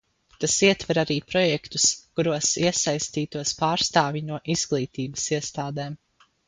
Tas ietver arī projektus, kuros iesaistītos pārstāvji no izglītības iestādēm.